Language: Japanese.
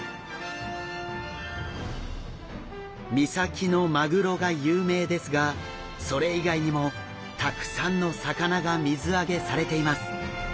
三崎のマグロが有名ですがそれ以外にもたくさんの魚が水揚げされています。